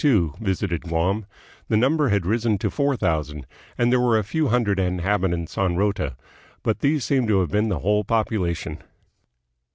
Anson in 1742 visited Guam, the number had risen to four thousand, and there were a few hundred inhabitants on Rota; but these seem to have been the whole popu lation.